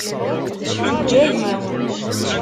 Teǧǧa-yi.